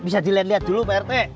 bisa dilihat lihat dulu pak rete